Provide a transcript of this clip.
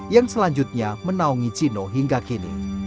yang selanjutnya menaungi cino hingga kini